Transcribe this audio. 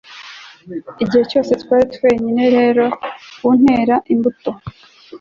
igihe cyose twari twenyine, reno kuntera imbuto